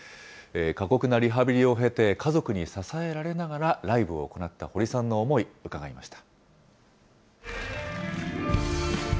過酷なリハビリを経て、家族に支えられながら、ライブを行った堀さんの思い、伺いました。